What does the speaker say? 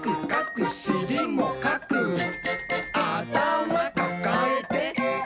「あたまかかえて」